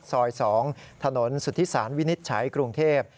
ซอย๒ถนนสุธิสารวินิจฉัยกรุงเทพ